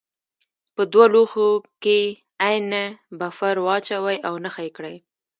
په دوه لوښو کې عین بفر واچوئ او نښه یې کړئ.